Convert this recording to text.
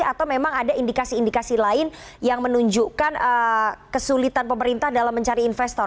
atau memang ada indikasi indikasi lain yang menunjukkan kesulitan pemerintah dalam mencari investor